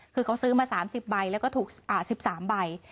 คือเขาซื้อมา๓๐ใบแล้วก็ถูก๑๓ใบ